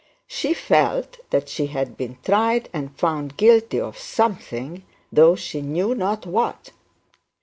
She felt that she had been tried and found guilty of something, though she knew not what.